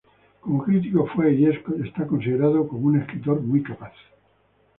Como crítico, fue y es considerado como un escritor muy capaz.